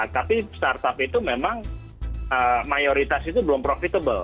tapi start up itu memang mayoritas itu belum profitable